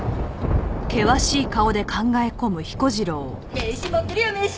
名刺持ってるよ名刺！